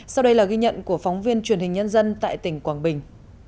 sau đây là ghi nhận của phóng viên truyền hình nhân dân tại tỉnh quảng bình